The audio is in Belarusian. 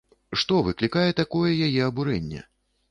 Што выклікае такое яе абурэнне?